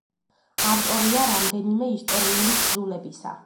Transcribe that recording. ავტორია რამდენიმე ისტორიული თხზულებისა.